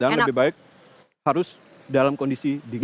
dan lebih baik harus dalam kondisi dingin